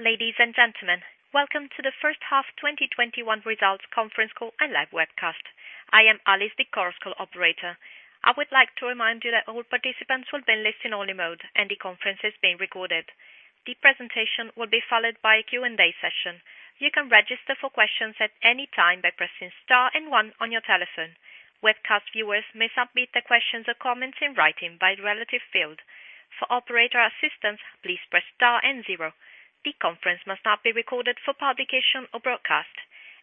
Ladies and gentlemen, welcome to the first half 2021 results conference call and live webcast. I am Alice, the call Operator. I would like to remind you that all participants will be in listen-only mode and the conference is being recorded. The presentation will be followed by a Q&A session. You can register for questions at any time by pressing star and one on your telephone. Webcast viewers may submit their questions or comments in writing via the relative field. For operator assistance, please press star and zero. The conference must not be recorded for publication or broadcast.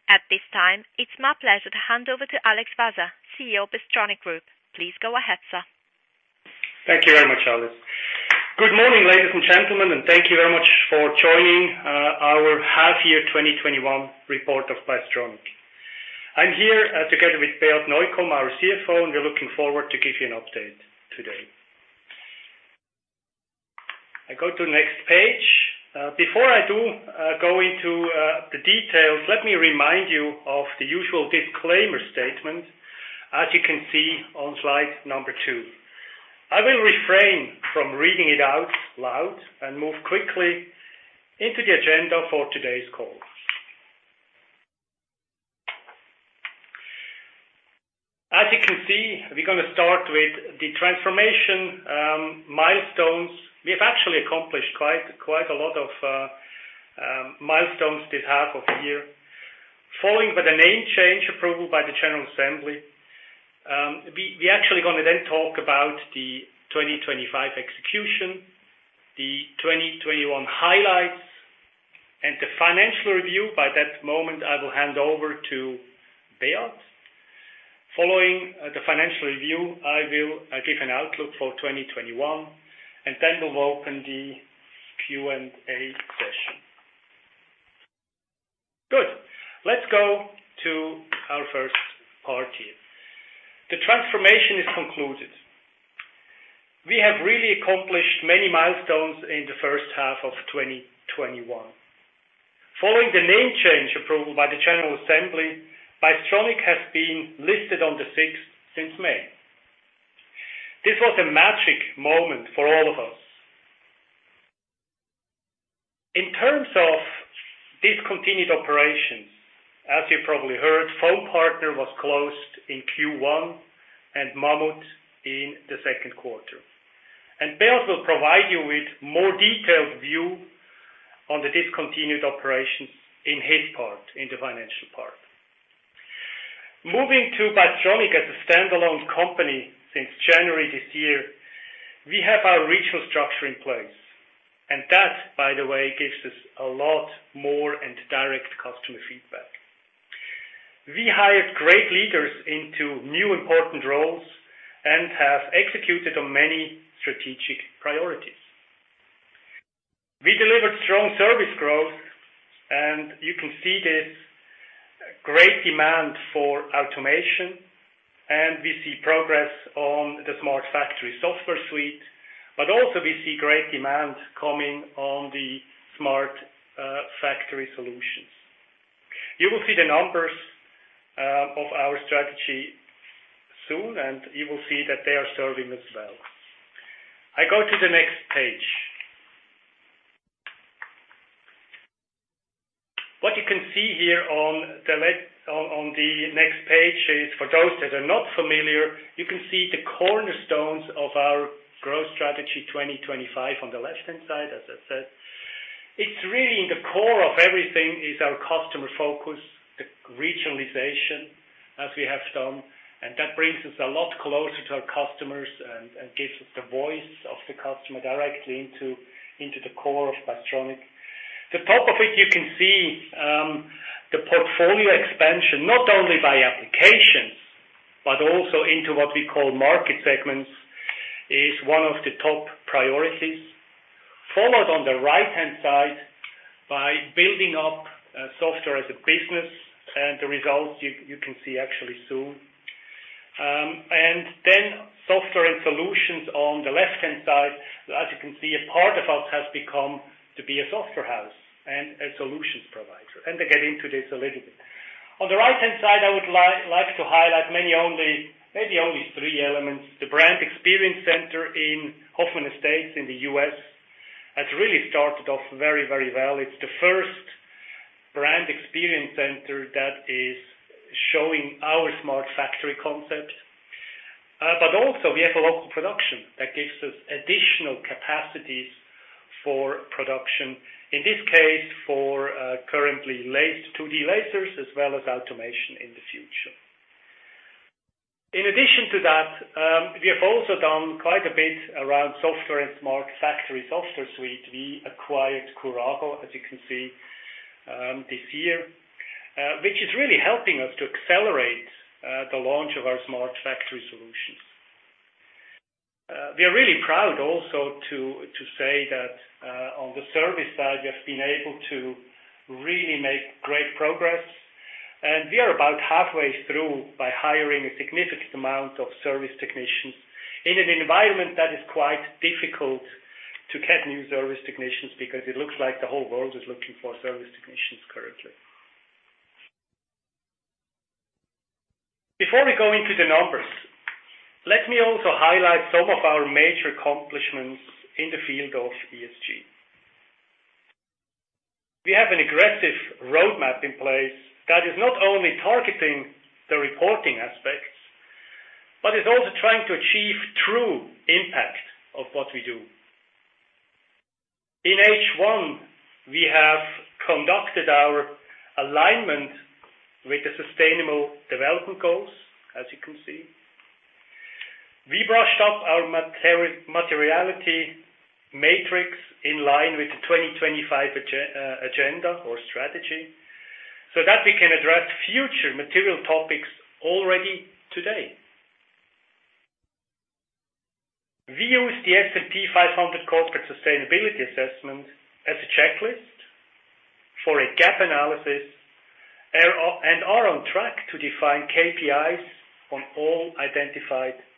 At this time, it's my pleasure to hand over to Alex Waser, CEO of Bystronic Group. Please go ahead, sir. Thank you very much, Alice. Good morning, ladies and gentlemen, and thank you very much for joining our half-year 2021 report of Bystronic. I'm here together with Beat Neukom, our CFO, and we're looking forward to give you an update today. I go to next page. Before I do go into the details, let me remind you of the usual disclaimer statement, as you can see on slide number two. I will refrain from reading it out loud and move quickly into the agenda for today's call. As you can see, we're going to start with the transformation milestones. We have actually accomplished quite a lot of milestones this half of the year. Following with the name change approval by the General Assembly, we actually going to then talk about the 2025 execution, the 2021 highlights, and the financial review. By that moment, I will hand over to Beat. Following the financial review, I will give an outlook for 2021, then we'll open the Q&A session. Good. Let's go to our first part here. The transformation is concluded. We have really accomplished many milestones in the first half of 2021. Following the name change approval by the General Assembly, Bystronic has been listed on the SIX since May. This was a magic moment for all of us. In terms of discontinued operations, as you probably heard, FoamPartner was closed in Q1 and Mammut in second quarter. Beat will provide you with more detailed view on the discontinued operations in his part, in the financial part. Moving to Bystronic as a standalone company since January this year, we have our regional structure in place, that, by the way, gives us a lot more and direct customer feedback. We hired great leaders into new important roles and have executed on many strategic priorities. We delivered strong service growth. You can see this great demand for automation. We see progress on the Smart Factory Software Suite. Also, we see great demand coming on the Smart Factory solutions. You will see the numbers of our strategy soon. You will see that they are serving us well. I go to the next page. What you can see here on the next page is for those that are not familiar, you can see the cornerstones of our growth strategy 2025 on the left-hand side, as I said. It's really the core of everything is our customer focus, the regionalization, as we have done. That brings us a lot closer to our customers and gives us the voice of the customer directly into the core of Bystronic. The top of it, you can see, the portfolio expansion, not only by applications, but also into what we call market segments, is one of the top priorities. Followed on the right-hand side by building up software as a business, and the results you can see actually soon. Then software and solutions on the left-hand side. As you can see, a part of us has become to be a software house and a solutions provider, and I get into this a little bit. On the right-hand side, I would like to highlight maybe only three elements. The Brand Experience Center in Hoffman Estates in the U.S. has really started off very well. It's the first Brand Experience Center that is showing our Smart Factory concept. Also, we have a local production that gives us additional capacities for production, in this case, for currently 2D lasers as well as automation in the future. In addition to that, we have also done quite a bit around software and Smart Factory Software Suite. We acquired Kurago, as you can see, this year, which is really helping us to accelerate the launch of our Smart Factory solutions. We are really proud also to say that on the service side, we have been able to really make great progress, and we are about halfway through by hiring a significant amount of service technicians in an environment that is quite difficult to get new service technicians because it looks like the whole world is looking for service technicians currently. Before we go into the numbers, let me also highlight some of our major accomplishments in the field of ESG. We have an aggressive roadmap in place that is not only targeting the reporting aspects, but is also trying to achieve true impact of what we do. In H1, we have conducted our alignment with the Sustainable Development Goals, as you can see. We brushed up our materiality matrix in line with the 2025 agenda or strategy so that we can address future material topics already today. We use the S&P Global Corporate Sustainability Assessment as a checklist for a gap analysis, and are on track to define KPIs on all identified topics.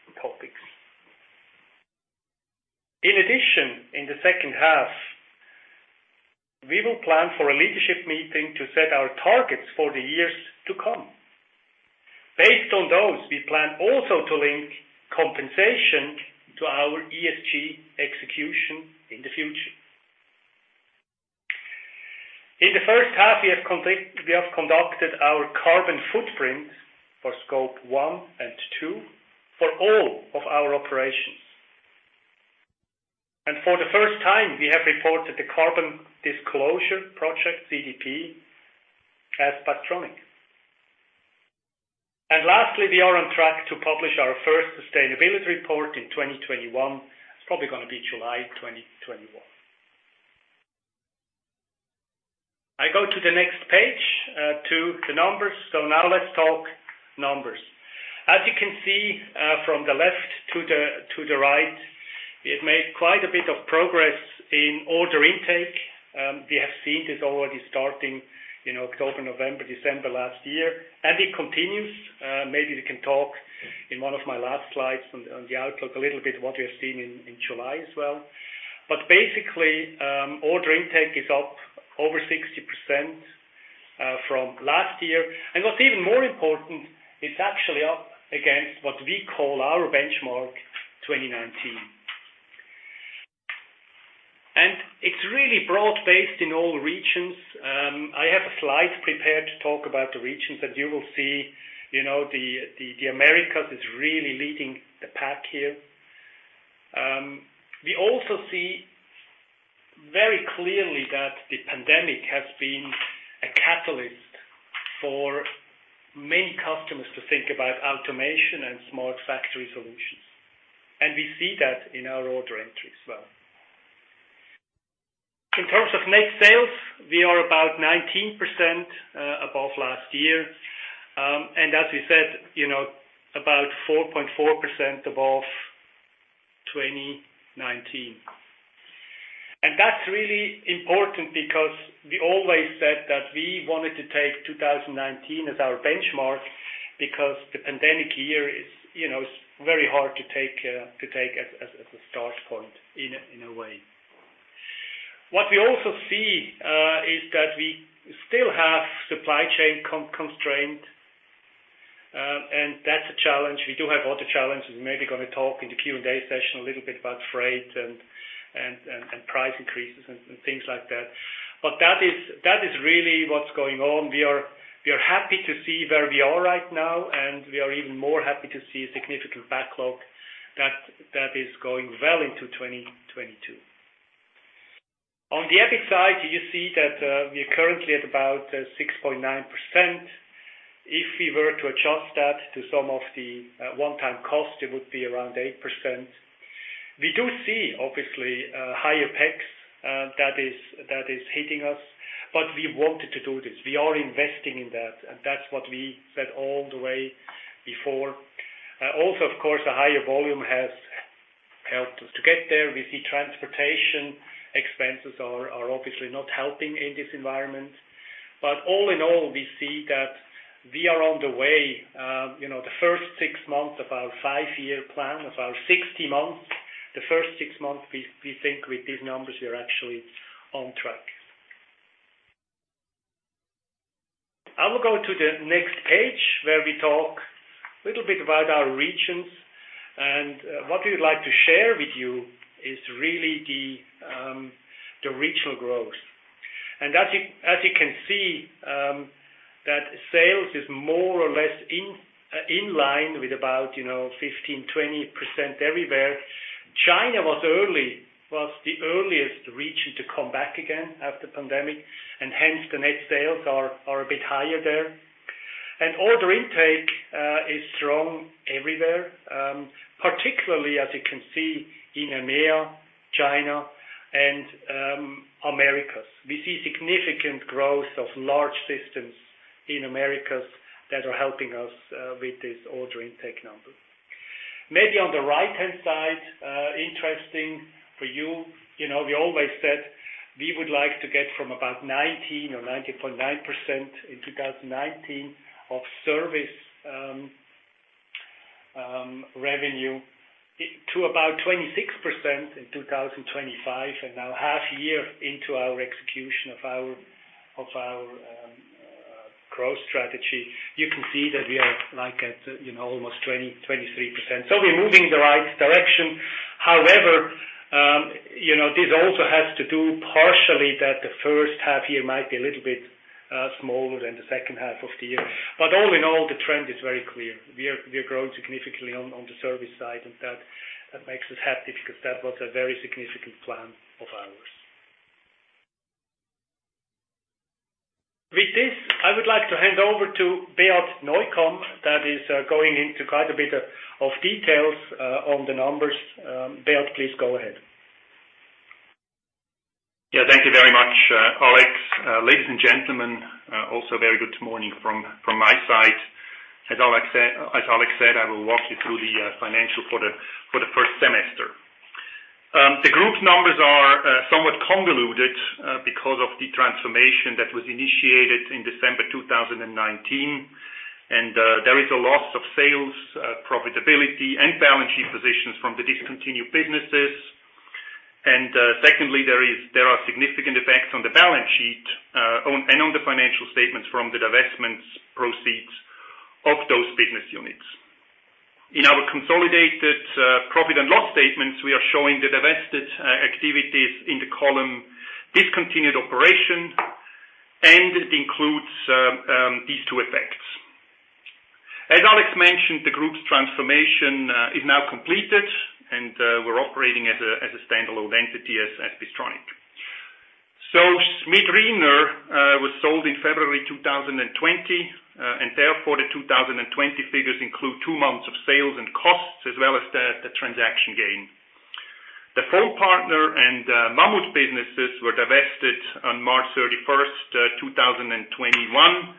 In addition, in the second half, we will plan for a leadership meeting to set our targets for the years to come. Based on those, we plan also to link compensation to our ESG execution in the future. In the first half, we have conducted our carbon footprint for scope one and scope two for all of our operations. For the first time, we have reported the Carbon Disclosure Project, CDP, as Bystronic. Lastly, we are on track to publish our first sustainability report in 2021. It's probably going to be July 2021. I go to the next page, to the numbers. Now let's talk numbers. As you can see from the left to the right, we have made quite a bit of progress in order intake. We have seen this already starting in October, November, December last year, and it continues. Maybe we can talk in one of my last slides on the outlook a little bit what we have seen in July as well. Basically, order intake is up over 60% from last year. What's even more important, it's actually up against what we call our benchmark 2019. It's really broad-based in all regions. I have a slide prepared to talk about the regions, and you will see the Americas is really leading the pack here. We also see very clearly that the pandemic has been a catalyst for many customers to think about automation and Smart Factory solutions. We see that in our order entry as well. In terms of net sales, we are about 19% above last year. As we said, about 4.4% above 2019. That's really important because we always said that we wanted to take 2019 as our benchmark because the pandemic year is very hard to take as a start point in a way. What we also see is that we still have supply chain constraint, and that's a challenge. We do have other challenges. Maybe going to talk in the Q&A session a little bit about freight and price increases and things like that. That is really what's going on. We are happy to see where we are right now, and we are even more happy to see a significant backlog that is going well into 2022. On the EBIT side, you see that we are currently at about 6.9%. If we were to adjust that to some of the one-time cost, it would be around 8%. We do see, obviously, higher PACs. That is hitting us, but we wanted to do this. We are investing in that, and that's what we said all the way before. Of course, the higher volume has helped us to get there. We see transportation expenses are obviously not helping in this environment. All in all, we see that we are on the way. The first six months of our five year plan, of our 60 months, the first six months, we think with these numbers, we are actually on track. I will go to the next page where we talk a little bit about our regions. What we would like to share with you is really the regional growth. As you can see, sales is more or less in line with about 15%-20% everywhere. China was the earliest region to come back again after pandemic, and hence the net sales are a bit higher there. Order intake is strong everywhere, particularly as you can see in EMEA, China, and Americas. We see significant growth of large systems in Americas that are helping us with this order intake number. Maybe on the right-hand side, interesting for you, we always said we would like to get from about 19% or 90.9% in 2019 of service revenue to about 26% in 2025. Now half year into our execution of our growth strategy, you can see that we are at almost 23%. We're moving in the right direction. However, this also has to do partially that the first half year might be a little bit smaller than the second half of the year. All in all, the trend is very clear. We are growing significantly on the service side, and that makes us happy because that was a very significant plan of ours. With this, I would like to hand over to Beat Neukom, that is going into quite a bit of details on the numbers. Beat, please go ahead. Yeah, thank you very much, Alex. Ladies and gentlemen, also very good morning from my side. As Alex said, I will walk you through the financial for the first semester. The group numbers are somewhat convoluted because of the transformation that was initiated in December 2019. There is a loss of sales profitability and balance sheet positions from the discontinued businesses. Secondly, there are significant effects on the balance sheet and on the financial statements from the divestments proceeds of those business units. In our consolidated profit and loss statements, we are showing the divested activities in the column discontinued operation, and it includes these two effects. As Alex mentioned, the group's transformation is now completed, and we're operating as a standalone entity as Bystronic. Schmid-Rhyner was sold in February 2020. Therefore, the 2020 figures include two months of sales and costs as well as the transaction gain. The FoamPartner and Mammut businesses were divested on March 31, 2021,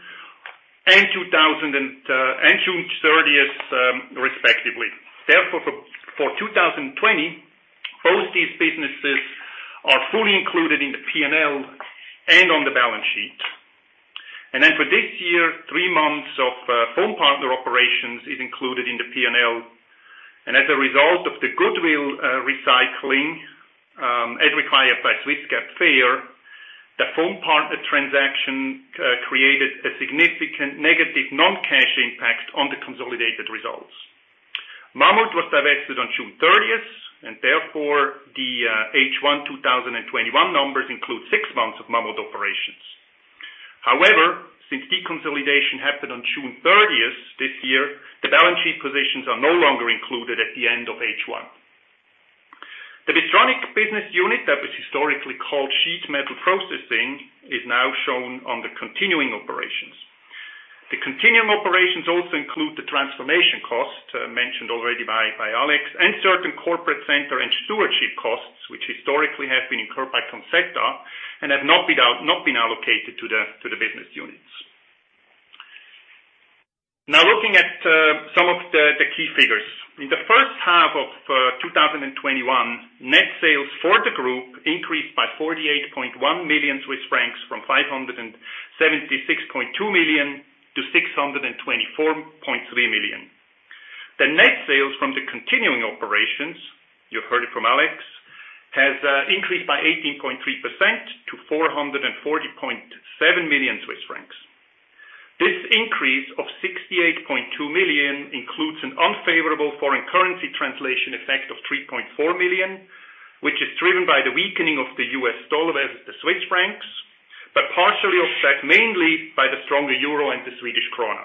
and June 30 respectively. Therefore, for 2020, both these businesses are fully included in the P&L and on the balance sheet. Then for this year, three months of FoamPartner operations is included in the P&L. As a result of the goodwill recycling, as required by Swiss GAAP FER, the FoamPartner transaction created a significant negative non-cash impact on the consolidated results. Mammut was divested on June 30th, and therefore, the H1 2021 numbers include six months of Mammut operations. However, since deconsolidation happened on June 30 this year, the balance sheet positions are no longer included at the end of H1. The Bystronic business unit that was historically called Sheet Metal Processing is now shown on the continuing operations. The continuing operations also include the transformation cost mentioned already by Alex Waser and certain corporate center and stewardship costs, which historically have been incurred by Conzzeta, and have not been allocated to the business units. Looking at some of the key figures. In the first half of 2021, net sales for the group increased by 48.1 million Swiss francs from 576.2 million-624.3 million. The net sales from the continuing operations, you heard it from Alex Waser, has increased by 18.3% to 440.7 million Swiss francs. This increase of 68.2 million includes an unfavorable foreign currency translation effect of 3.4 million, which is driven by the weakening of the US dollar versus the Swiss francs, but partially offset mainly by the stronger euro and the Swedish krona.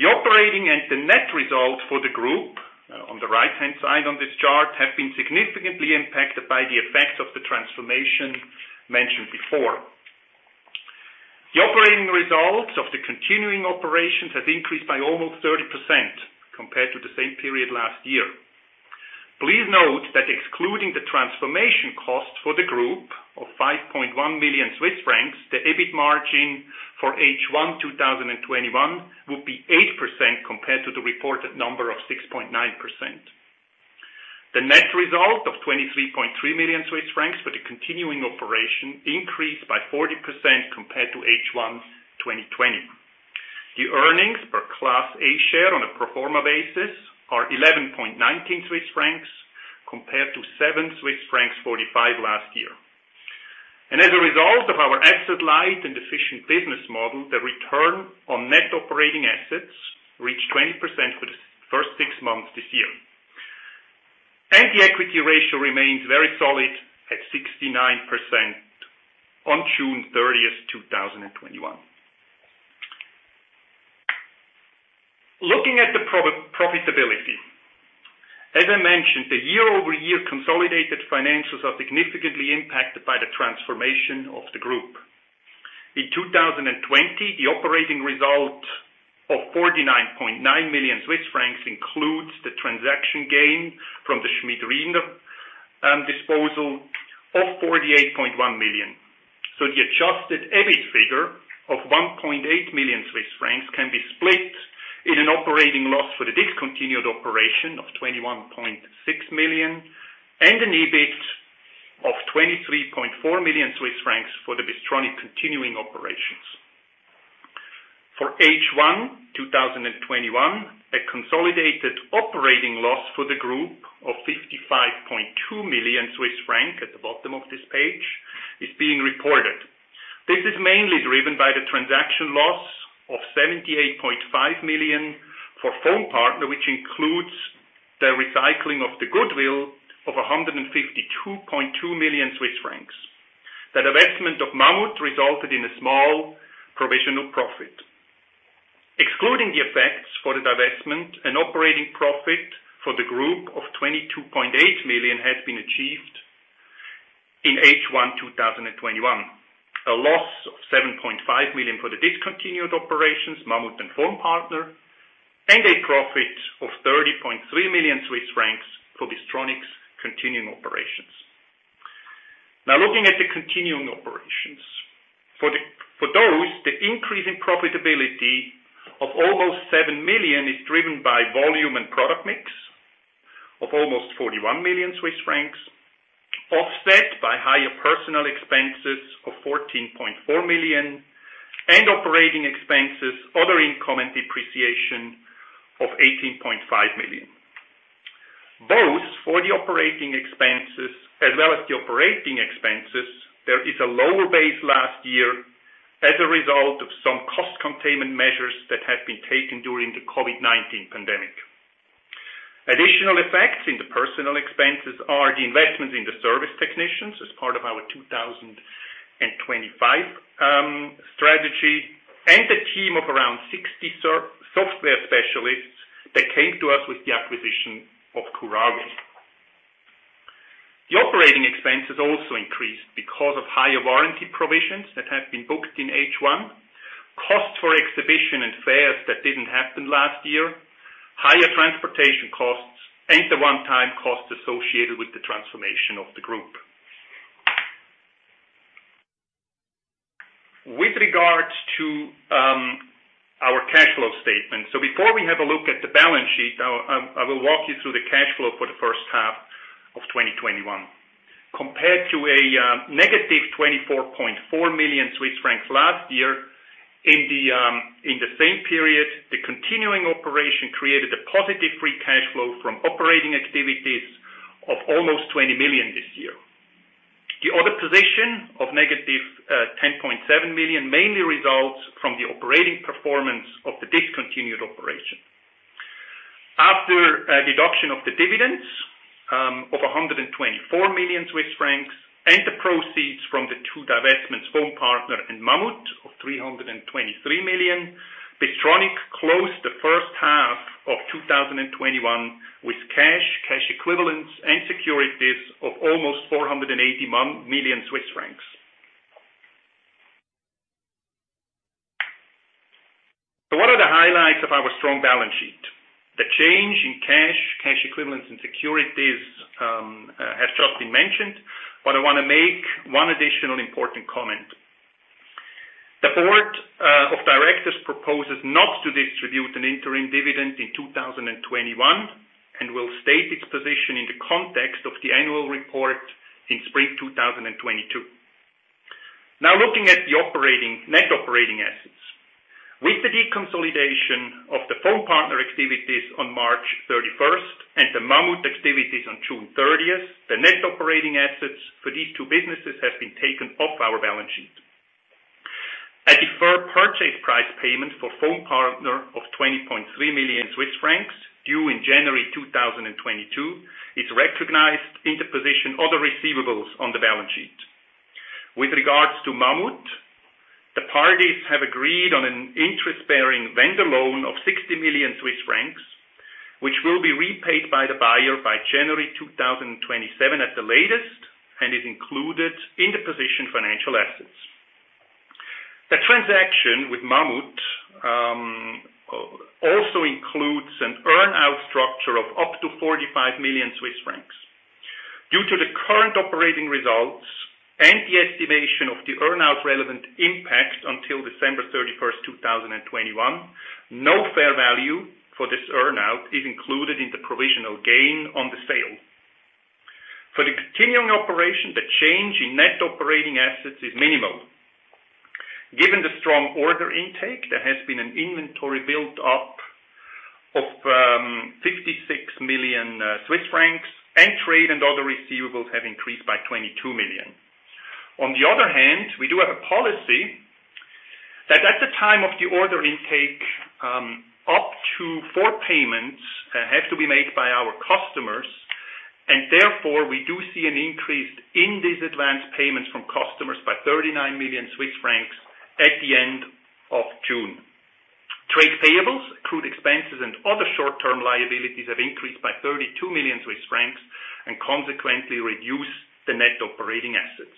The operating and the net results for the group on the right-hand side on this chart, have been significantly impacted by the effects of the transformation mentioned before. The operating results of the continuing operations has increased by almost 30% compared to the same period last year. Please note that excluding the transformation cost for the group of 5.1 million Swiss francs, the EBIT margin for H1 2021 would be 8% compared to the reported number of 6.9%. The net result of 23.3 million Swiss francs for the continuing operation increased by 40% compared to H1 2020. The earnings per class A share on a pro forma basis are 11.19 Swiss francs compared to 7.45 Swiss francs last year. As a result of our asset light and efficient business model, the return on net operating assets reached 20% for the first six months this year. The equity ratio remains very solid at 69% on June 30th, 2021. Looking at the profitability. As I mentioned, the year-over-year consolidated financials are significantly impacted by the transformation of the Group. In 2020, the operating result of 49.9 million Swiss francs includes the transaction gain from the Schmid Rhyner disposal of 48.1 million. The adjusted EBIT figure of 1.8 million Swiss francs can be split in an operating loss for the discontinued operation of 21.6 million and an EBIT of 23.4 million Swiss francs for the Bystronic continuing operations. For H1 2021, a consolidated operating loss for the Group of 55.2 million Swiss francs, at the bottom of this page, is being reported. This is mainly driven by the transaction loss of 78.5 million for FoamPartner, which includes the recycling of the goodwill of 152.2 million Swiss francs. The divestment of Mammut resulted in a small provisional profit. Excluding the effects for the divestment, an operating profit for the group of 22.8 million has been achieved in H1 2021. A loss of 7.5 million for the discontinued operations, Mammut and FoamPartner, and a profit of 30.3 million Swiss francs for Bystronic's continuing operations. Looking at the continuing operations. For those, the increase in profitability of almost 7 million is driven by volume and product mix of almost 41 million Swiss francs, offset by higher personnel expenses of 14.4 million and operating expenses, other income and depreciation of 18.5 million. Both for the operating expenses, there is a lower base last year as a result of some cost containment measures that have been taken during the COVID-19 pandemic. Additional effects in the personal expenses are the investments in the service technicians as part of our 2025 strategy, and a team of around 60 software specialists that came to us with the acquisition of Kurago. The operating expenses also increased because of higher warranty provisions that have been booked in H1, costs for exhibition and fairs that didn't happen last year, higher transportation costs, and the one-time costs associated with the transformation of the group. With regards to our cash flow statement, before we have a look at the balance sheet, I will walk you through the cash flow for the first half of 2021. Compared to a negative 24.4 million Swiss francs last year, in the same period, the continuing operation created a positive free cash flow from operating activities of almost 20 million this year. The other position of -10.7 million mainly results from the operating performance of the discontinued operation. After a deduction of the dividends of 124 million Swiss francs and the proceeds from the two divestments, FoamPartner and Mammut, of 323 million, Bystronic closed the first half of 2021 with cash equivalents, and securities of almost 480 million Swiss francs. What are the highlights of our strong balance sheet? The change in cash equivalents, and securities has just been mentioned, but I want to make one additional important comment. The board of directors proposes not to distribute an interim dividend in 2021 and will state its position in the context of the annual report in spring 2022. Now looking at the net operating assets. With the deconsolidation of the FoamPartner activities on March 31st and the Mammut activities on June 30th, the net operating assets for these two businesses have been taken off our balance sheet. A deferred purchase price payment for FoamPartner of 20.3 million Swiss francs due in January 2022 is recognized in the position other receivables on the balance sheet. With regards to Mammut, the parties have agreed on an interest-bearing vendor loan of 60 million Swiss francs, which will be repaid by the buyer by January 2027 at the latest, and is included in the position financial assets. The transaction with Mammut also includes an earn-out structure of up to 45 million Swiss francs. Due to the current operating results and the estimation of the earn-out relevant impact until December 31st, 2021, no fair value for this earn-out is included in the provisional gain on the sale. For the continuing operation, the change in net operating assets is minimal. Given the strong order intake, there has been an inventory build-up of 56 million Swiss francs, and trade and other receivables have increased by 22 million. On the other hand, we do have a policy that at the time of the order intake, up to four payments have to be made by our customers, and therefore, we do see an increase in these advance payments from customers by 39 million Swiss francs at the end of June. Trade payables, accrued expenses, and other short-term liabilities have increased by 32 million Swiss francs, and consequently reduce the net operating assets.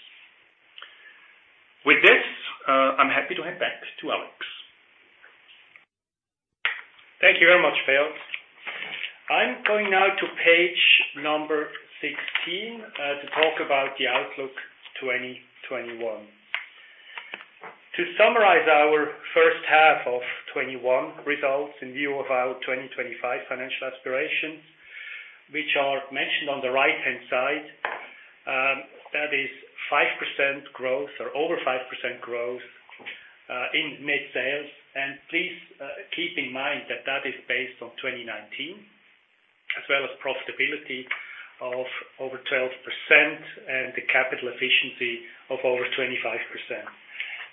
With this, I am happy to hand back to Alex. Thank you very much, Beat Neukom. I'm going now to page number 16 to talk about the outlook 2021. To summarize our first half of 2021 results in view of our 2025 financial aspirations, which are mentioned on the right-hand side, that is 5% growth or over 5% growth in net sales. Please keep in mind that that is based on 2019, as well as profitability of over 12% and the capital efficiency of over 25%.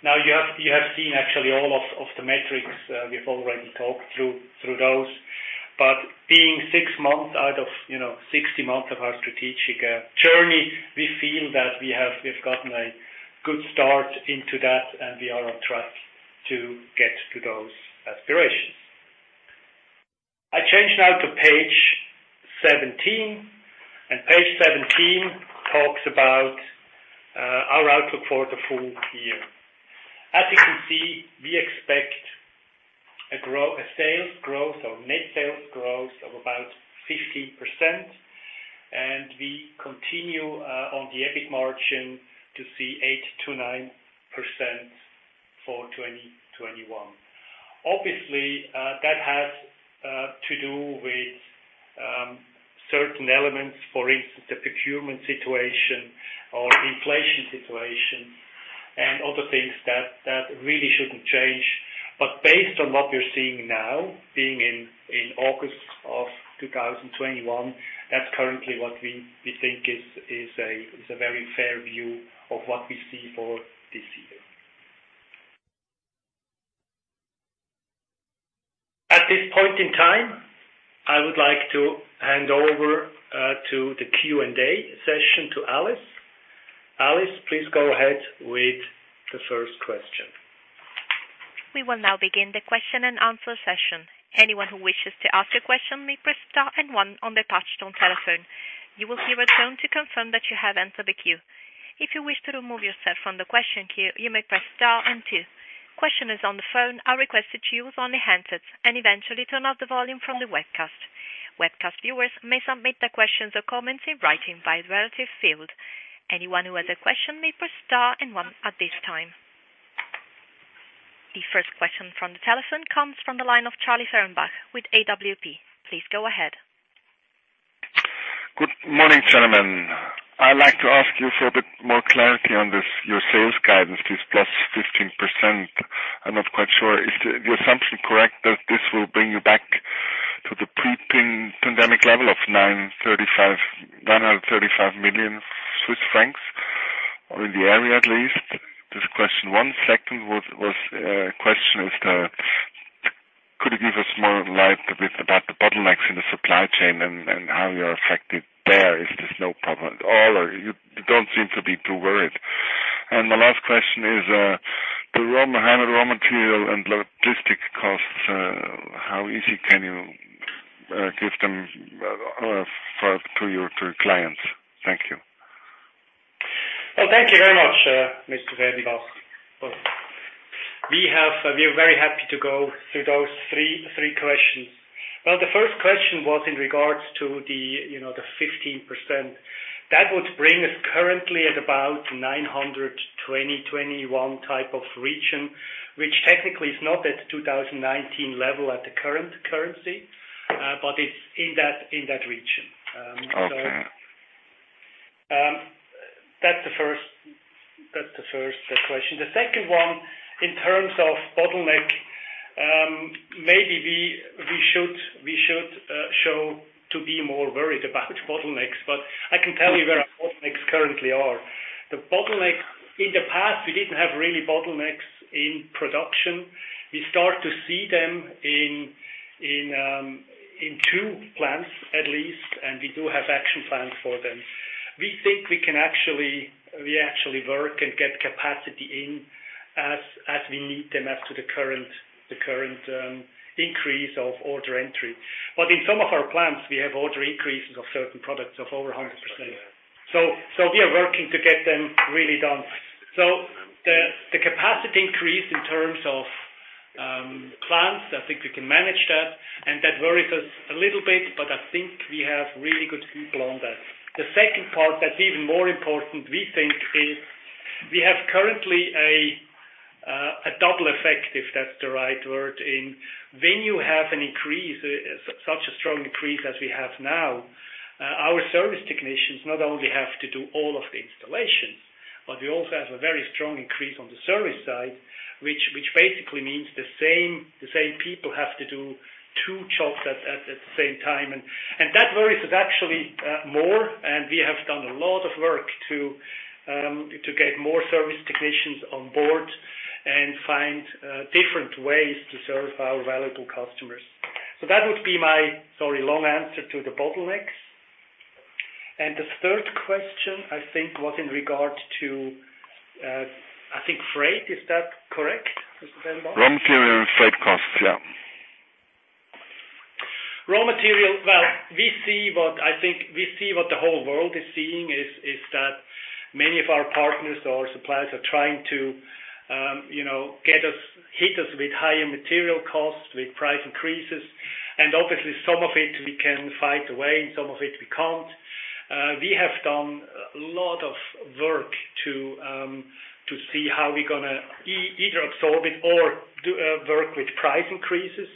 Now you have seen actually all of the metrics. We've already talked through those. Being six months out of 60 months of our strategic journey, we feel that we've gotten a good start into that, and we are on track to get to those aspirations. I change now to page 17, and page 17 talks about our outlook for the full year. As you can see, we expect a sales growth or net sales growth of about 15%, and we continue on the EBIT margin to see 8%-9% for 2021. Obviously, that has to do with certain elements, for instance, the procurement situation or inflation situation and other things that really shouldn't change. But based on what we're seeing now, being in August of 2021, that's currently what we think is a very fair view of what we see for this year. At this point in time, I would like to hand over to the Q&A session to Alice. Alice, please go ahead with the first question. We will now begin the question and answer session. Anyone who wishes to ask a question may press star and one on their touchtone telephone. You will hear a tone to confirm that you have entered the queue. If you wish to remove yourself from the question queue, you may press star and two. Questioners on the phone are requested to use only handsets and eventually turn off the volume from the webcast. Webcast viewers may submit their questions or comments in writing via the relative field. Anyone who has a question may press star and one at this time. The first question from the telephone comes from the line of Charlie Fehrenbach with AWP. Please go ahead. Good morning, gentlemen. I'd like to ask you for a bit more clarity on this, your sales guidance, this plus 15%. I'm not quite sure. Is the assumption correct that this will bring you back to the pre-pandemic level of 935 million Swiss francs, or in the area at least? This is question one. Second question is, could you give us more light about the bottlenecks in the supply chain and how you are affected there? Is this no problem at all, or you don't seem to be too worried? My last question is, the raw material and logistic costs, how easy can you give them to your clients? Thank you. Well, thank you very much, Mr. Fernrebach. We're very happy to go through those three questions. Well, the first question was in regards to the 15%. That would bring us currently at about 900, 2020, 2021 type of region, which technically is not at 2019 level at the current currency, but it's in that region. Okay. That's the first question. The second one, in terms of bottleneck, maybe we should show to be more worried about bottlenecks. I can tell you where our bottlenecks currently are. In the past, we didn't have really bottlenecks in production. We start to see them in two plants at least, and we do have action plans for them. We think we actually work and get capacity in as we need them as to the current increase of order entry. In some of our plants, we have order increases of certain products of over 100%. We are working to get them really done. The capacity increase in terms of plants, I think we can manage that, and that worries us a little bit. I think we have really good people on that. The second part that's even more important, we think, is we have currently a double effect, if that's the right word, in when you have such a strong increase as we have now, our service technicians not only have to do all of the installations, but we also have a very strong increase on the service side, which basically means the same people have to do two jobs at the same time, that worries us actually more, and we have done a lot of work to get more service technicians on board and find different ways to serve our valuable customers. That would be my, sorry, long answer to the bottlenecks. The third question, I think, was in regard to, I think, freight. Is that correct, Mr. Fehrenbach? Raw material and freight costs, yeah. Raw material. Well, I think we see what the whole world is seeing, is that many of our partners or suppliers are trying to hit us with higher material costs, with price increases, obviously, some of it we can fight away, and some of it we can't. We have done a lot of work to see how we're going to either absorb it or work with price increases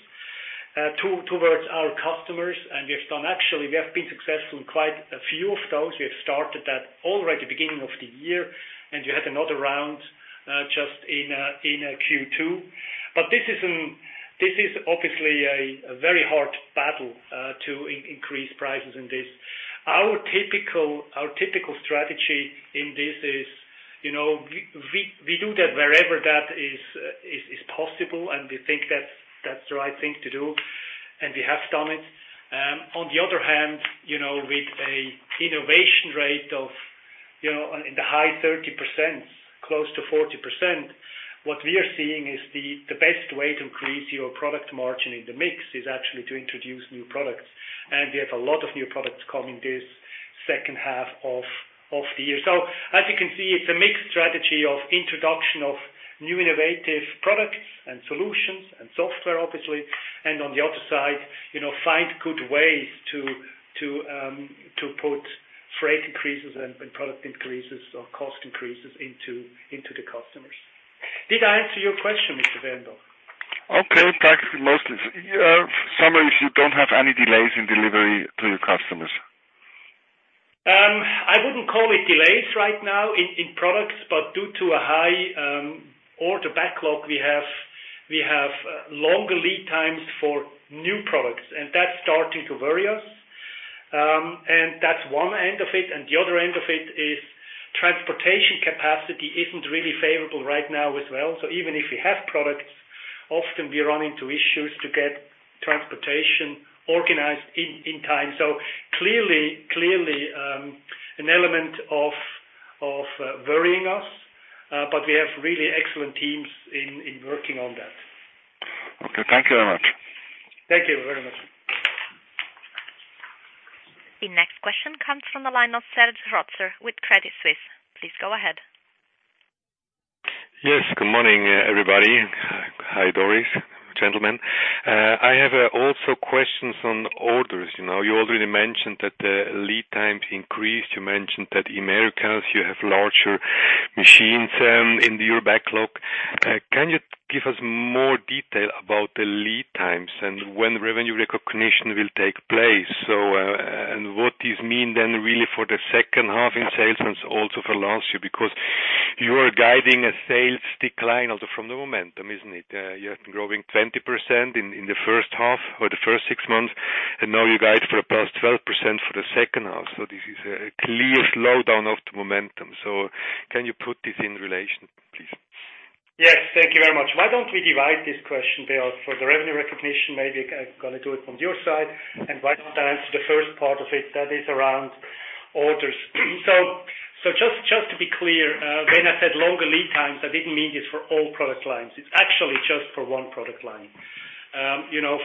towards our customers. We have done actually, we have been successful in quite a few of those. We have started that already beginning of the year. We had another round just in Q2. This is obviously a very hard battle to increase prices in this. Our typical strategy in this is, we do that wherever that is possible. We think that's the right thing to do. We have done it. On the other hand, with an innovation rate of in the high 30%, close to 40%, what we are seeing is the best way to increase your product margin in the mix is actually to introduce new products. We have a lot of new products coming this second half of the year. As you can see, it's a mixed strategy of introduction of new innovative products and solutions and software, obviously. On the other side, find good ways to put freight increases and product increases or cost increases into the customers. Did I answer your question, Mr. Charlie? Okay. Thanks. Mostly. Summary is you don't have any delays in delivery to your customers. I wouldn't call it delays right now in products, but due to a high order backlog, we have longer lead times for new products, and that's starting to worry us. That's one end of it, and the other end of it is transportation capacity isn't really favorable right now as well. Even if we have products, often we run into issues to get transportation organized in time. Clearly, an element of worrying us, but we have really excellent teams in working on that. Okay. Thank you very much. Thank you very much. The next question comes from the line of Serge Rotzer with Credit Suisse. Please go ahead. Yes. Good morning, everybody. Hi, Doris, gentlemen. I have also questions on orders. You already mentioned that the lead times increased. You mentioned that in Americas you have larger machines in your backlog. Can you give us more detail about the lead times and when revenue recognition will take place? What this mean then really for the second half in sales and also for last year, because you are guiding a sales decline also from the momentum, isn't it? You have been growing 20% in the first half or the first six months, and now you guide for +12% for the second half. This is a clear slowdown of the momentum. Can you put this in relation, please? Yes. Thank you very much. Why don't we divide this question, Beat, for the revenue recognition, maybe I'm going to do it from your side. Why don't I answer the first part of it that is around orders. Just to be clear, when I said longer lead times, I didn't mean this for all product lines. It's actually just for one product line.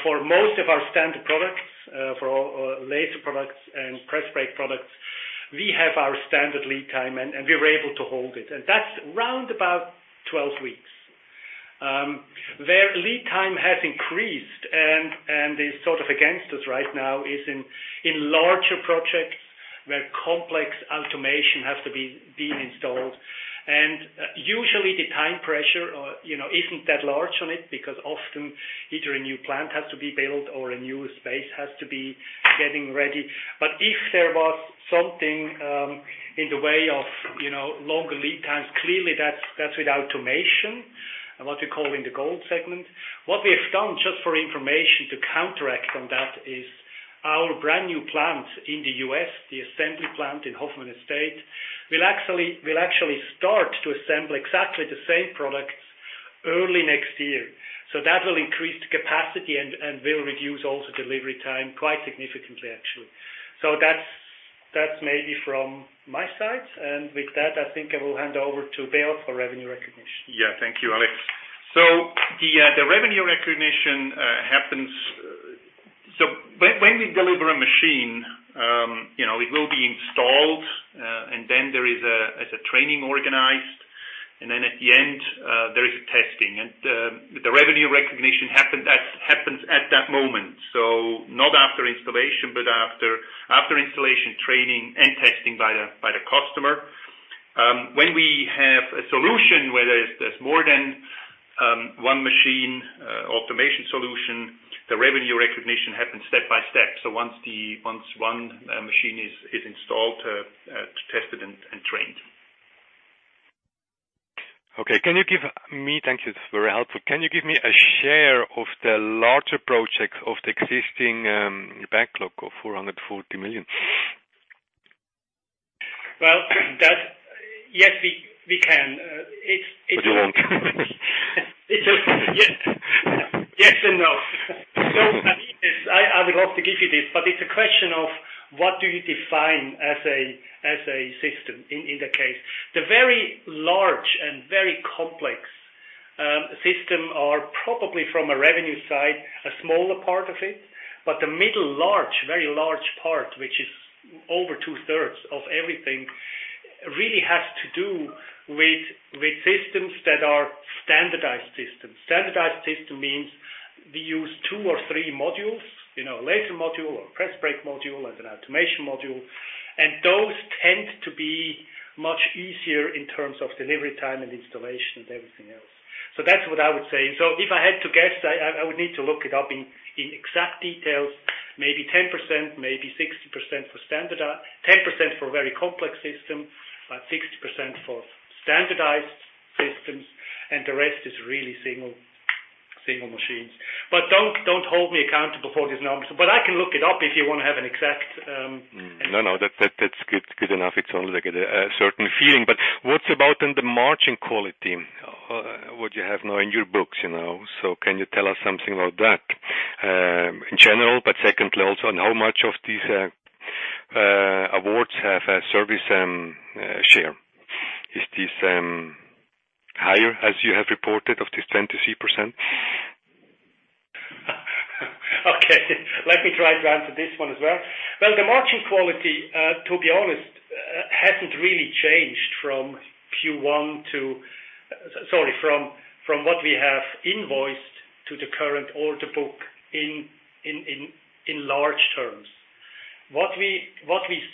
For most of our standard products, for our laser products and press brake products, we have our standard lead time, and we were able to hold it. That's round about 12 weeks. Where lead time has increased and is sort of against us right now is in larger projects where complex automation has to be being installed. Usually, the time pressure isn't that large on it because often either a new plant has to be built or a new space has to be getting ready. If there was something in the way of longer lead times, clearly that's with automation and what we call in the gold segment. What we have done just for information to counteract on that is our brand new plant in the U.S., the assembly plant in Hoffman Estates, will actually start to assemble exactly the same products early next year. That will increase the capacity and will reduce also delivery time quite significantly, actually. That's maybe from my side. With that, I think I will hand over to Beat Neukom for revenue recognition. Yeah. Thank you, Alex. The revenue recognition happens when we deliver a machine, it will be installed, and then there is a training organized. Then at the end, there is a testing. The revenue recognition happens at that moment. Not after installation, but after installation, training, and testing by the customer. When we have a solution where there's more than one machine, automation solution, the revenue recognition happens step by step. Once one machine is installed, tested, and trained. Okay. Thank you. It's very helpful. Can you give me a share of the larger projects of the existing backlog of 440 million? Well, yes, we can. You won't. Yes and no. I would love to give you this, but it's a question of what do you define as a system in the case. The very large and very complex system are probably from a revenue side, a smaller part of it, but the middle large, very large part, which is over two-thirds of everything, really has to do with systems that are standardized systems. Standardized system means, we use two modules or three modules, a laser module or a press brake module and an automation module. Those tend to be much easier in terms of delivery time and installation and everything else. That's what I would say. If I had to guess, I would need to look it up in exact details, maybe 10%, maybe 60% for standardized. 10% for a very complex system, but 60% for standardized systems, and the rest is really single machines. Don't hold me accountable for these numbers, but I can look it up if you want to have an exact. No, that's good enough. It's only like a certain feeling. What about in the margin quality, what you have now in your books? Can you tell us something about that in general, but secondly, also on how much of these awards have a service share? Is this higher, as you have reported, of this 23%? Okay. Let me try to answer this one as well. Well, the margin quality, to be honest, hasn't really changed from what we have invoiced to the current order book in large terms. What we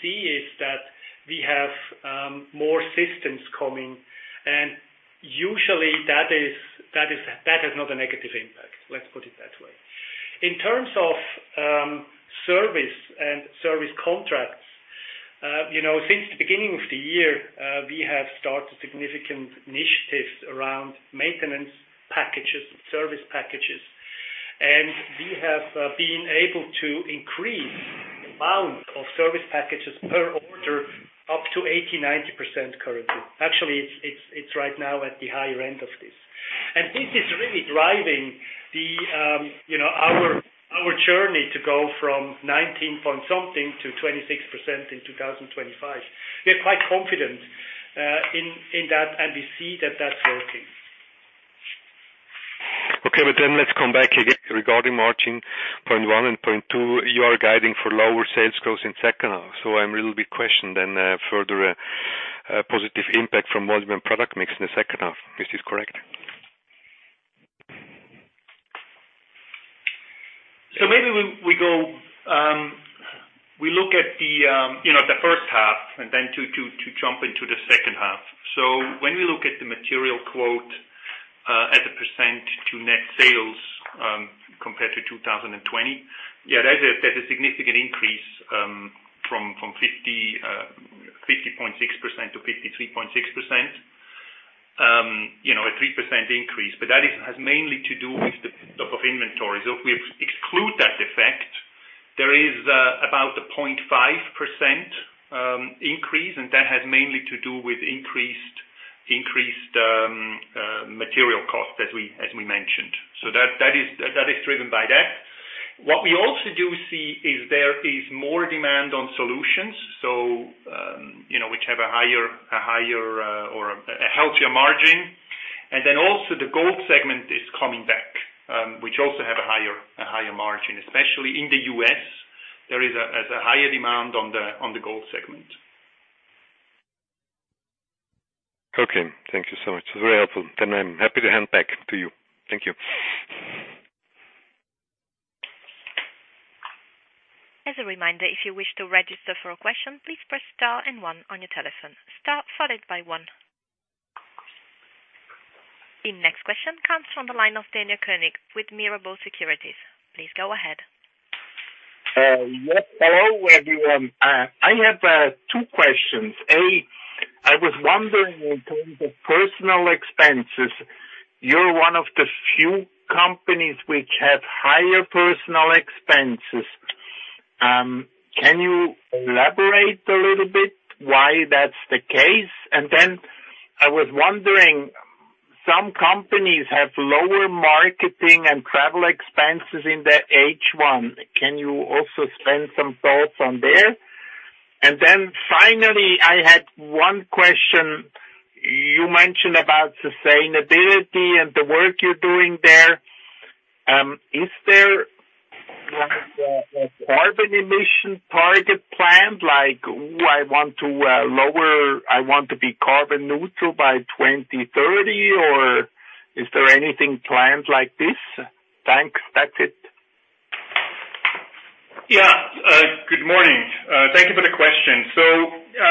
see is that we have more systems coming, and usually, that has not a negative impact, let's put it that way. In terms of service and service contracts, since the beginning of the year, we have started significant initiatives around maintenance packages, service packages. We have been able to increase the amount of service packages per order up to 80%-90% currently. Actually, it's right now at the higher end of this. This is really driving our journey to go from 19 point something to 26% in 2025. We are quite confident in that, and we see that that's working. Let's come back again regarding margin. Point one and point two, you are guiding for lower sales growth in second half. I'm a little bit questioned then, further positive impact from volume and product mix in the second half. Is this correct? Maybe we look at the first half and then to jump into the second half. When we look at the material cost as a percent to net sales compared to 2020, that is a significant increase from 50.6%-3.6%. A 3% increase, that has mainly to do with the build-up of inventory. If we exclude that effect, there is about a 0.5% increase, and that has mainly to do with increased material cost as we mentioned. That is driven by that. What we also do see is there is more demand on solutions, which have a higher or a healthier margin. Also the gold segment is coming back, which also have a higher margin, especially in the U.S. There is a higher demand on the gold segment. Okay. Thank you so much. It's very helpful. I'm happy to hand back to you. Thank you. As a reminder, if you wish to register for a question, please press star and one on your telephone. Star followed by one. The next question comes from the line of Daniel Koenig with Mirabaud Securities. Please go ahead. Yes, hello, everyone. I have two questions. A, I was wondering in terms of personal expenses, you're one of the few companies which have higher personal expenses. Can you elaborate a little bit why that's the case? I was wondering, some companies have lower marketing and travel expenses in their H1. Can you also spend some thoughts on there? Finally, I had one question. You mentioned about sustainability and the work you're doing there. Is there a carbon emission target plan? Like, I want to be carbon neutral by 2030, or is there anything planned like this? Thanks. That's it. Good morning. Thank you for the question.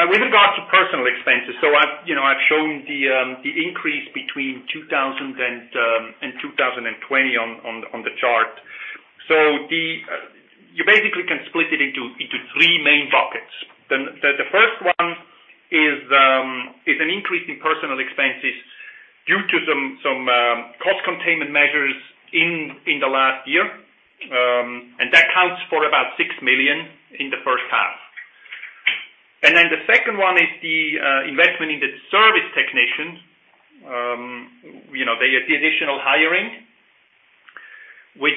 With regard to personal expenses, I've shown the increase between 2000 and 2020 on the chart. You basically can split it into three main buckets. The first one is an increase in personal expenses due to some cost containment measures in the last year. That counts for about 6 million in the first half. The second one is the investment in the service technicians. The additional hiring, which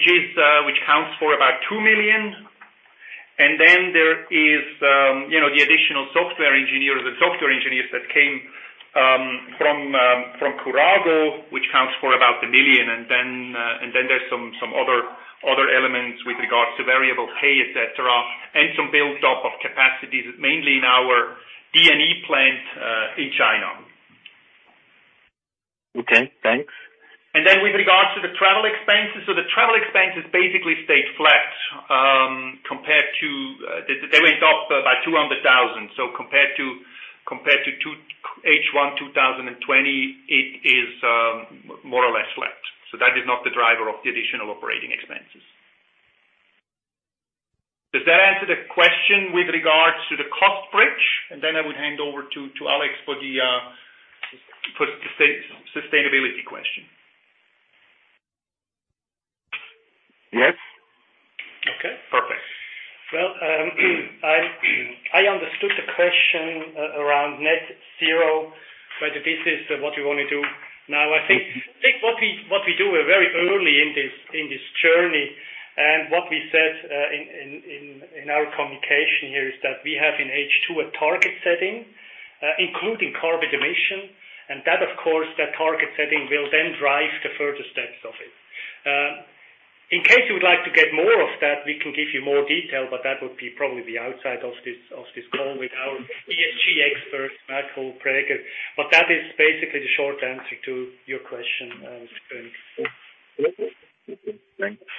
counts for about 2 million. There is the additional software engineers. The software engineers that came from Kurago, which counts for about 1 million, and then there's some other elements with regards to variable pay, et cetera, and some build-up of capacities, mainly in our D&E plant in China. Okay, thanks. With regards to the travel expenses, the travel expenses basically stayed flat. They went up by 200,000. Compared to H1 2020, it is more or less flat. That is not the driver of the additional operating expenses. Does that answer the question with regards to the cost bridge? I would hand over to Alex for the sustainability question. Yes. Okay, perfect. I understood the question around net zero, whether this is what we want to do. I think what we do, we're very early in this journey, and what we said in our communication here is that we have in H2 a target setting, including carbon emission, and that, of course, that target setting will then drive the further steps of it. In case you would like to get more of that, we can give you more detail, but that would be probably the outside of this call with our ESG expert, Michael Praeger. That is basically the short answer to your question, Mr. Koenig. Okay. Thanks.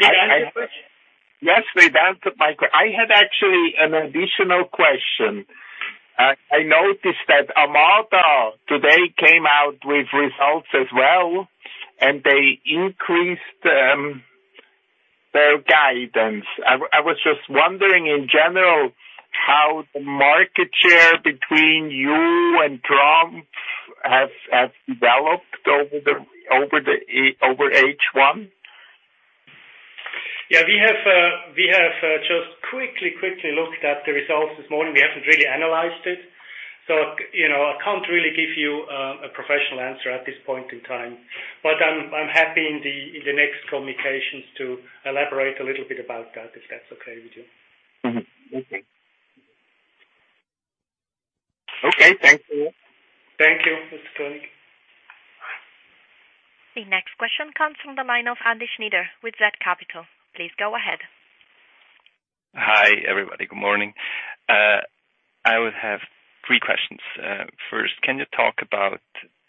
Did I answer the question? Yes, we've answered. I had actually an additional question. I noticed that Amada today came out with results as well. They increased their guidance. I was just wondering in general how the market share between you and Trumpf has developed over H1. We have just quickly looked at the results this morning. We haven't really analyzed it. I can't really give you a professional answer at this point in time. I'm happy in the next communications to elaborate a little bit about that, if that's okay with you. Mm-hmm. Okay. Thank you. Thank you, Mr. Koenig. The next question comes from the line of Andy Schnyder with zCapital. Please go ahead. Hi, everybody. Good morning. I would have three questions. First, can you talk about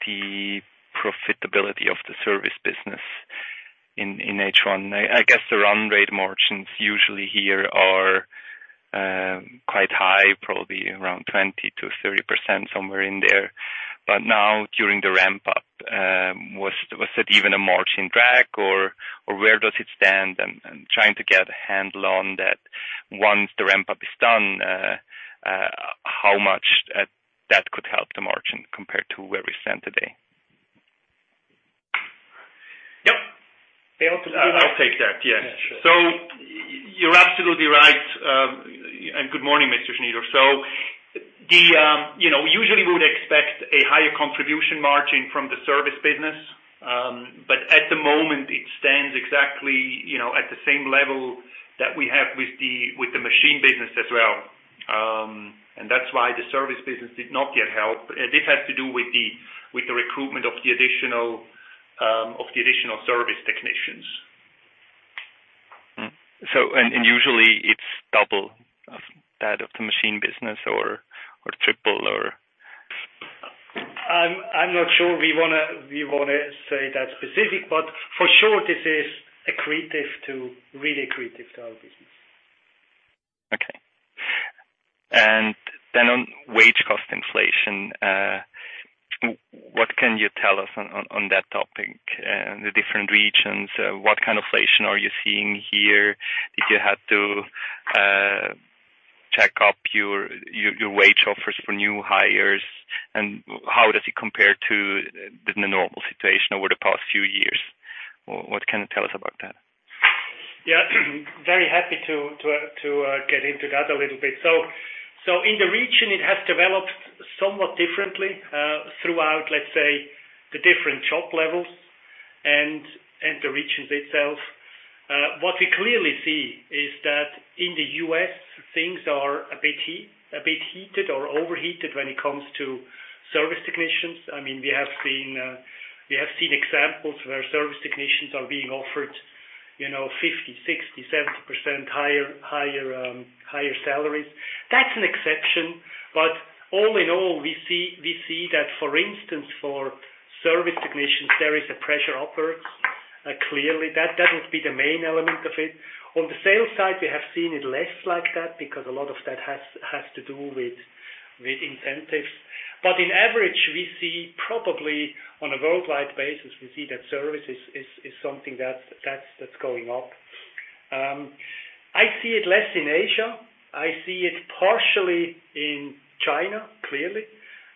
the profitability of the service business in H1? I guess the run rate margins usually here are quite high, probably around 20%-30%, somewhere in there. Now during the ramp-up, was it even a margin drag or where does it stand? I'm trying to get a handle on that. Once the ramp-up is done, how much that could help the margin compared to where we stand today? Yep. They also- I'll take that. Yeah. Yeah, sure. You're absolutely right. Good morning, Mr. Schnyder. Usually we would expect a higher contribution margin from the service business. At the moment, it stands exactly at the same level that we have with the machine business as well. That's why the service business did not yet help. This has to do with the recruitment of the additional service technicians. Usually it's double of that of the machine business or triple or? I'm not sure we want to say that specific, but for sure this is accretive to, really accretive to our business. Okay. On wage cost inflation, what can you tell us on that topic? In the different regions, what kind of inflation are you seeing here? Did you have to check up your wage offers for new hires, and how does it compare to the normal situation over the past few years? What can you tell us about that? Very happy to get into that a little bit. In the region, it has developed somewhat differently, throughout, let's say, the different job levels and the regions itself. What we clearly see is that in the U.S., things are a bit heated or overheated when it comes to service technicians. We have seen examples where service technicians are being offered 50%, 60%, 70% higher salaries. That's an exception. All in all, we see that, for instance, for service technicians, there is a pressure upwards. Clearly, that doesn't be the main element of it. On the sales side, we have seen it less like that because a lot of that has to do with incentives. On average, we see probably on a worldwide basis, we see that service is something that's going up. I see it less in Asia. I see it partially in China, clearly.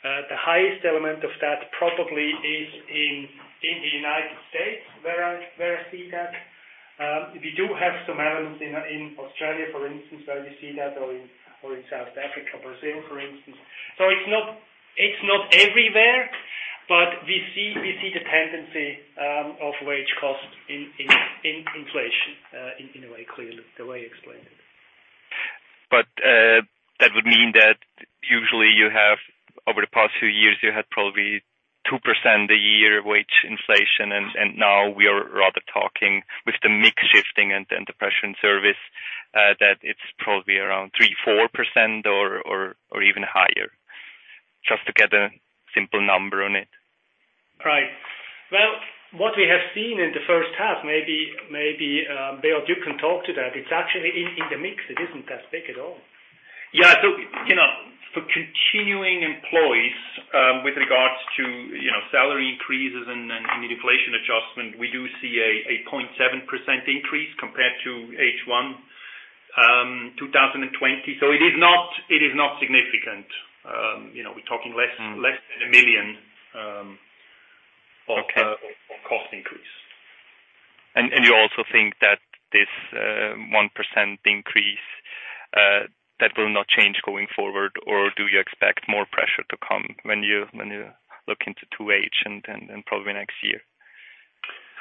The highest element of that probably is in the U.S., where I see that. We do have some elements in Australia, for instance, where we see that or in South Africa, Brazil, for instance. It's not everywhere, but we see the tendency of wage cost in inflation, in a way, clearly, the way you explained it. That would mean that usually over the past few years, you had probably 2% a year wage inflation, and now we are rather talking with the mix shifting and the pressure in service that it's probably around 3%-4% or even higher. Just to get a simple number on it. Right. Well, what we have seen in the first half, maybe, Beat, you can talk to that. It's actually in the mix. It isn't that big at all. For continuing employees, with regards to salary increases and the inflation adjustment, we do see a 0.7% increase compared to H1 2020. It is not significant. We're talking less than 1 million. Okay Of cost increase. You also think that this 1% increase, that will not change going forward, or do you expect more pressure to come when you look into 2H and probably next year?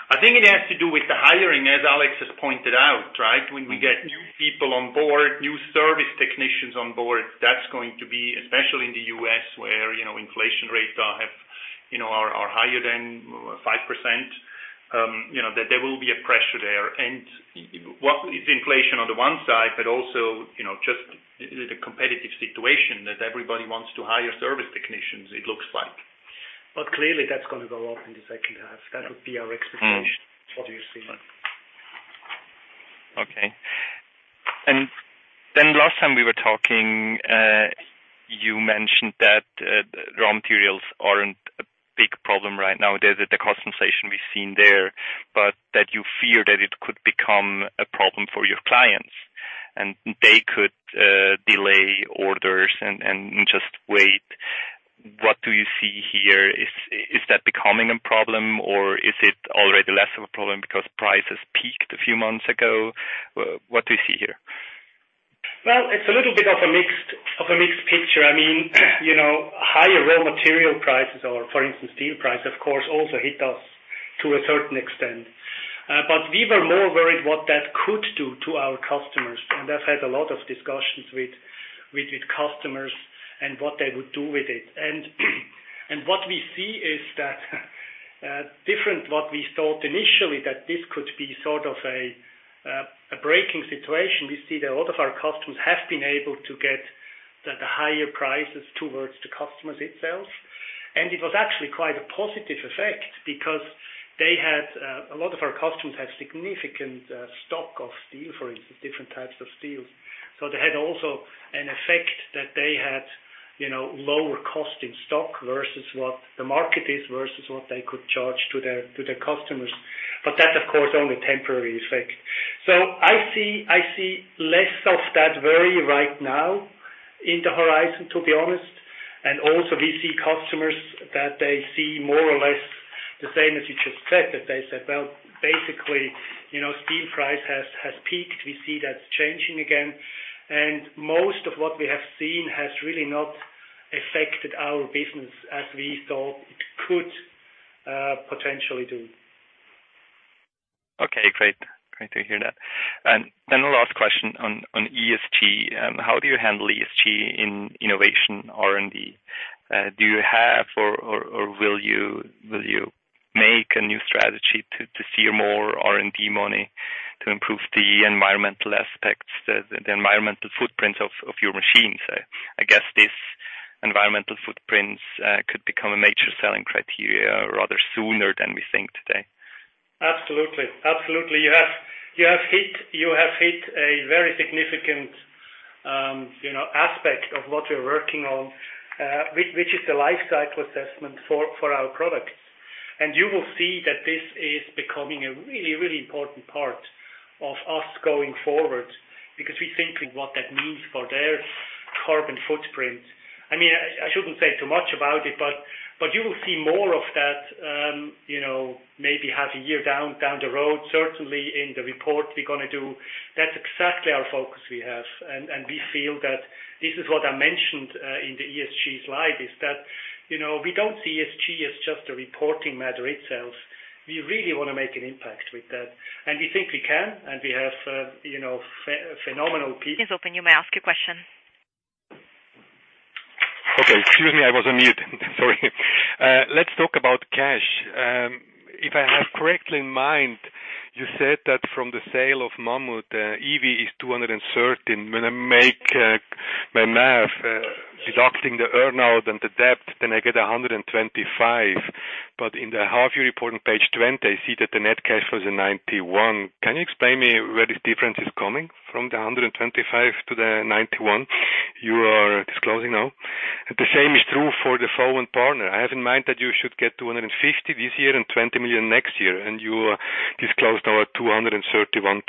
I think it has to do with the hiring, as Alex has pointed out. When we get new people on board, new service technicians on board, that's going to be, especially in the U.S. where inflation rates are higher than 5%, that there will be a pressure there. It's inflation on the one side, but also, just the competitive situation that everybody wants to hire service technicians, it looks like. Clearly that's going to go up in the second half. That would be our expectation. What do you see? Okay. Last time we were talking, you mentioned that raw materials aren't a big problem right now. There's a de-cost sensation we've seen there, that you fear that it could become a problem for your clients, and they could delay orders and just wait. What do you see here? Is that becoming a problem or is it already less of a problem because prices peaked a few months ago? What do you see here? Well, it's a little bit of a mixed picture. Higher raw material prices or, for instance, steel price, of course, also hit us to a certain extent. We were more worried what that could do to our customers, and I've had a lot of discussions with customers and what they would do with it. What we see is that different what we thought initially, that this could be sort of a breaking situation. We see that a lot of our customers have been able to get the higher prices towards the customers itself. It was actually quite a positive effect because a lot of our customers have significant stock of steel, for instance, different types of steel. They had also an effect that they had lower cost in stock versus what the market is, versus what they could charge to their customers. That, of course, only temporary effect. I see less of that worry right now in the horizon, to be honest, and also we see customers that they see more or less the same as you just said, that they said, well, basically, steel price has peaked. We see that's changing again, and most of what we have seen has really not affected our business as we thought it could potentially do. Okay, great. Great to hear that. The last question on ESG. How do you handle ESG in innovation R&D? Do you have or will you make a new strategy to steer more R&D money to improve the environmental aspects, the environmental footprint of your machines? I guess this environmental footprints could become a major selling criteria rather sooner than we think today. Absolutely. You have hit a very significant aspect of what we're working on, which is the life cycle assessment for our products. You will see that this is becoming a really important part of us going forward because we think what that means for their carbon footprint. I shouldn't say too much about it. You will see more of that maybe half a year down the road, certainly in the report we're going to do. That's exactly our focus we have. We feel that this is what I mentioned in the ESG slide, we don't see ESG as just a reporting matter itself. We really want to make an impact with that. We think we can, and we have phenomenal. Please open your mask, your question. Excuse me, I was on mute. Sorry. Let's talk about cash. If I have correctly in mind, you said that from the sale of Mammut, EBITDA is 230 million. When I make my math, deducting the earn-out and the debt, I get 125 million. In the half-year report on page 20, I see that the net cash flows are 91 million. Can you explain me where this difference is coming from the 125 million-the 91 million you are disclosing now? The same is true for the FoamPartner. I have in mind that you should get 250 million this year and 20 million next year, you disclosed now at 231.5 million.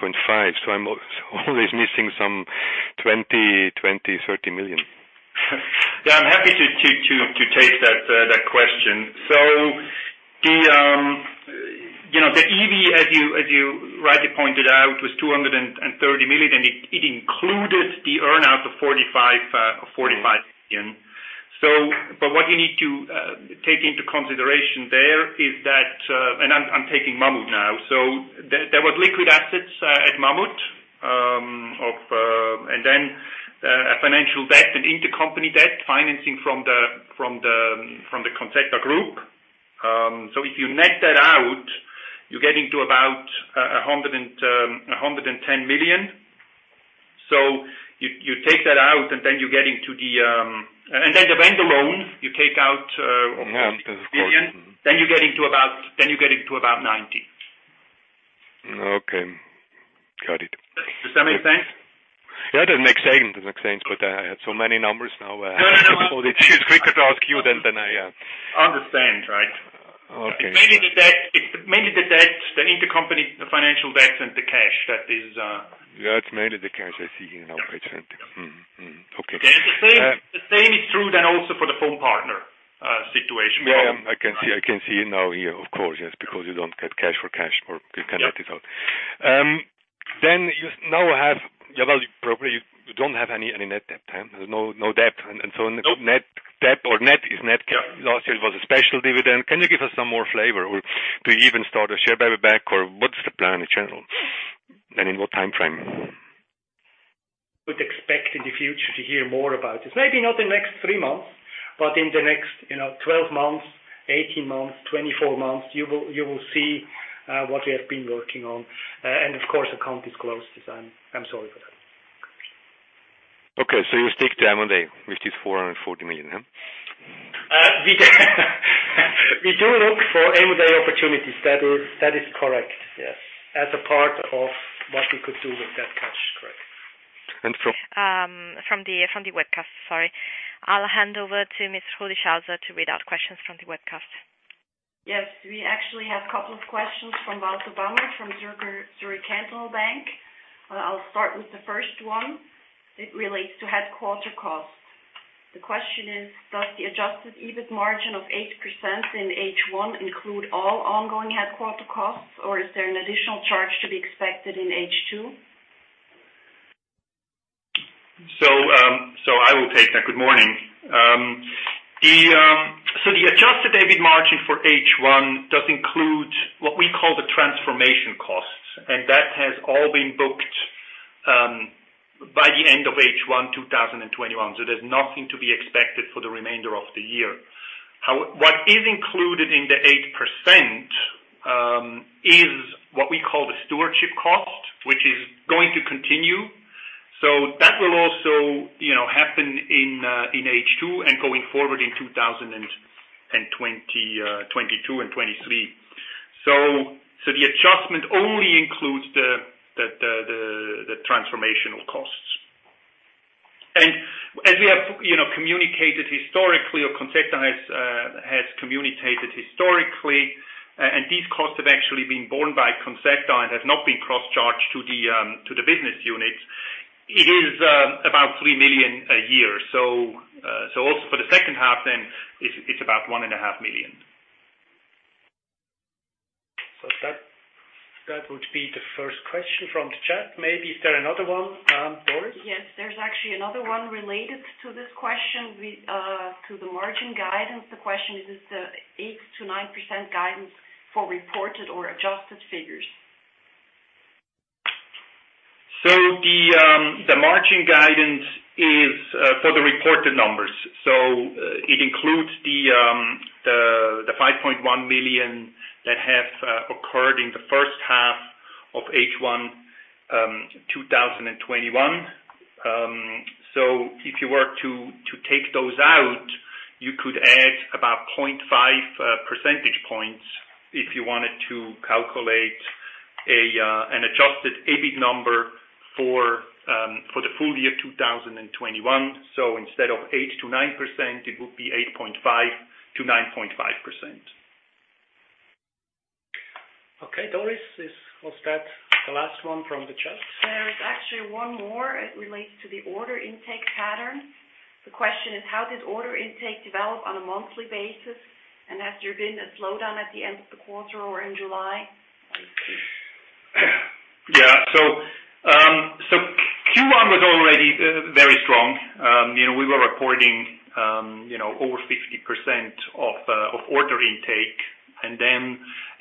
I'm always missing some 20 million-30 million. Yeah, I'm happy to take that question. The EBITDA, as you rightly pointed out, was 230 million. It included the earn-out of 45 million. What you need to take into consideration there is that, and I'm taking Mammut now. There was liquid assets at Mammut, and then a financial debt, an intercompany debt financing from the Conzzeta Group. If you net that out, you're getting to about 110 million. You take that out, and then the vendor loan, you take out- Yeah, of course. You're getting to about 90. Okay. Got it. Does that make sense? Yeah, that makes sense. I have so many numbers now. No. It is quicker to ask you than. Understand, right? Okay. Mainly the debt, the intercompany, the financial debt, and the cash. Yeah, it's mainly the cash I see here now. I see. Okay. The same is true then also for the FoamPartner situation. Yeah. I can see it now here. Of course, yes. You don't get cash for cash or you can net it out. Yeah. Well, probably, you don't have any net debt. There's no debt. Nope. Net debt or net is net. Last year it was a special dividend. Can you give us some more flavor, or do you even start a share buyback, or what's the plan in general? In what timeframe? Would expect in the future to hear more about this. Maybe not in the next three months, but in the next 12 months, 18 months, 24 months, you will see what we have been working on. Of course, account is closed, as I'm sorry for that. Okay. You stick to M&A with this 440 million, huh? We do look for M&A opportunities. That is correct, yes. As a part of what we could do with that cash. Correct. And so- From the webcast. Sorry. I'll hand over to Ms. Ruda Schalze to read out questions from the webcast. Yes, we actually have couple of questions from Walter Bamert from Zürcher Kantonalbank. I'll start with the first one. It relates to headquarter costs. The question is, does the adjusted EBIT margin of 8% in H1 include all ongoing headquarter costs, or is there an additional charge to be expected in H2? I will take that. Good morning. The adjusted EBIT margin for H1 does include what we call the transformation costs, and that has all been booked by the end of H1 2021. There's nothing to be expected for the remainder of the year. What is included in the 8% is what we call the stewardship cost, which is going to continue. That will also happen in H2 and going forward in 2022 and 2023. The adjustment only includes the transformational costs. As we have communicated historically, or Conzzeta has communicated historically, these costs have actually been borne by Conzzeta and has not been cross-charged to the business units. It is about 3 million a year. Also for the second half then, it's about 1.5 Million. That would be the first question from the chat, maybe. Is there another one, Doris? Yes. There's actually another one related to this question, to the margin guidance. The question is the 8%-9% guidance for reported or adjusted figures? The margin guidance is for the reported numbers. It includes the 5.1 million that have occurred in the first half of H1 2021. If you were to take those out, you could add about 0.5 percentage points if you wanted to calculate an adjusted EBIT number for the full year 2021. Instead of 8%-9%, it would be 8.5%-9.5%. Okay. Doris, was that the last one from the chat? There is actually one more. It relates to the order intake pattern. The question is, how did order intake develop on a monthly basis, and has there been a slowdown at the end of the quarter or in July? Yeah. Q1 was already very strong. We were reporting over 50% of order intake,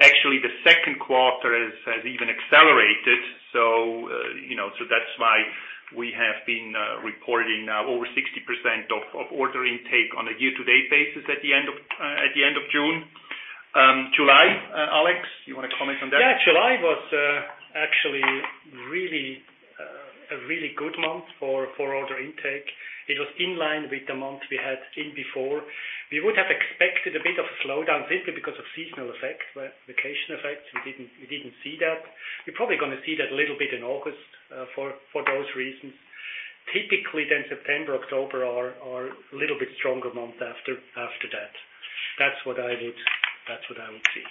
actually the second quarter has even accelerated. That's why we have been reporting over 60% of order intake on a year-to-date basis at the end of June. July, Alex, you want to comment on that? July was actually a really good month for order intake. It was in line with the month we had in before. We would have expected a bit of a slowdown simply because of seasonal effects, vacation effects. We didn't see that. We're probably going to see that a little bit in August for those reasons. Typically September, October are a little bit stronger month after that. That's what I would see.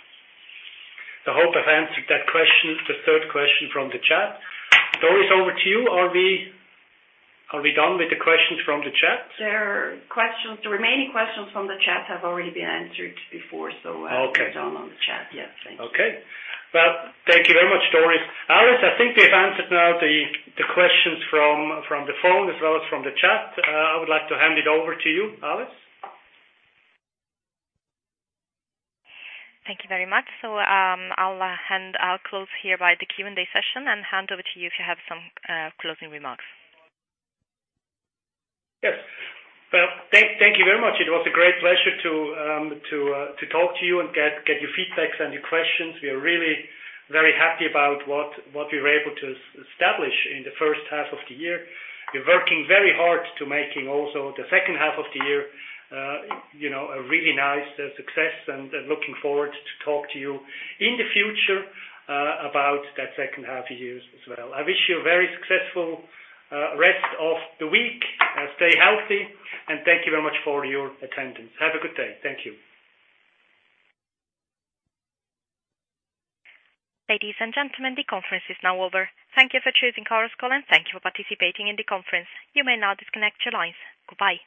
I hope I've answered that question, the third question from the chat. Doris, over to you. Are we done with the questions from the chat? The remaining questions from the chat have already been answered before. Okay. We're done on the chat. Yes. Thank you. Okay. Well, thank you very much, Doris. Alice, I think we have answered now the questions from the phone as well as from the chat. I would like to hand it over to you, Alice. Thank you very much. I'll close here the Q&A session and hand over to you if you have some closing remarks. Yes. Well, thank you very much. It was a great pleasure to talk to you and get your feedbacks and your questions. We are really very happy about what we were able to establish in the first half of the year. We are working very hard to making also the second half of the year a really nice success and looking forward to talk to you in the future about that second half year as well. I wish you a very successful rest of the week. Stay healthy, and thank you very much for your attendance. Have a good day. Thank you. Ladies and gentlemen, the conference is now over. Thank you for choosing Chorus Call, and thank you for participating in the conference. You may now disconnect your lines. Goodbye.